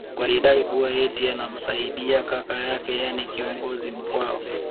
Walidai kuwa eti anamsaidi kaka yake yani kiongozi Mkwawa